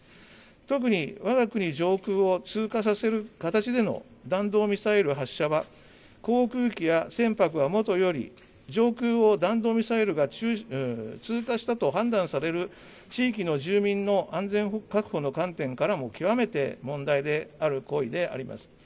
特にわが国上空を通過させる形での弾道ミサイル発射は、航空機や船舶はもとより、上空を弾道ミサイルが通過したと判断される地域の住民の安全確保の観点からも極めて問題である行為であります。